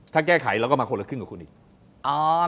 ถ้าแก้ไขเราก็เขียนครึ่งละครึ่งกู